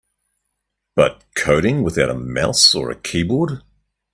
But coding without a mouse or a keyboard?